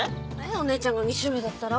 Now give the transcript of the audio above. お姉ちゃんが２周目だったら？